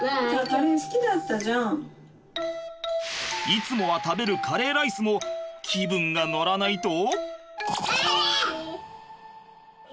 いつもは食べるカレーライスも気分が乗らないと。